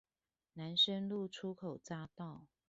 南深路出口匝道